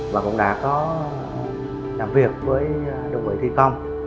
và cũng đã có làm việc với đồng bệnh thi công